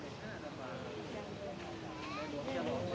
ตอนนี้นะครับตะวันตกเลยอ่ะ